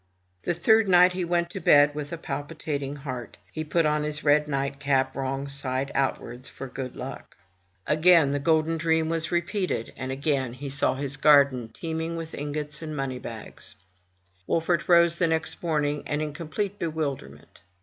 The third night he went to bed with a palpitating heart. He put on his red night cap wrongside outwards, for good luck. 115 MY BOOK HOUSE Again the golden dream was repeated, and again he saw his garden teeming with ingots and money bags. Wolfert rose the next morning in complete bewilderment.